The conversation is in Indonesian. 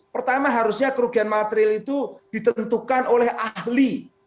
pertama harusnya kerugian material itu ditentukan oleh ahli